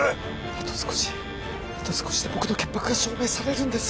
あと少しあと少しで僕の潔白が証明されるんです